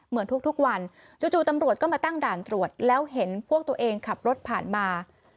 เหมือนทุกวันจู่ตำรวจก็มาตั้งด่านตรวจแล้วเห็นพวกตัวเองขับรถผ่านมา